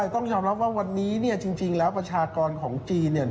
ต้องยอมรับว่าวันนี้จริงแล้วประชากรของจีน